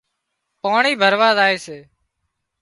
پاڻي ڀراوا زائي سي